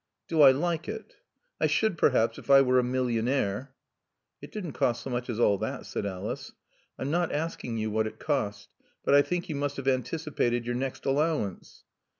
"Do I like it? I should, perhaps, if I were a millionaire." "It didn't cost so much as all that," said Alice. "I'm not asking you what it cost. But I think you must have anticipated your next allowance."